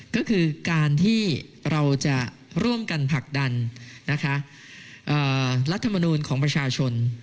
ก็คือการที่เราจะร่วมกันผลักดันรัฐมนูลของประชาชน